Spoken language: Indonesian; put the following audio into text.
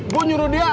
gue nyuruh dia